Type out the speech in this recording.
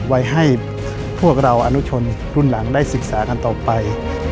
ไว้ให้พวกเราอนุชนรุ่นหลังได้ศึกษากันต่อไป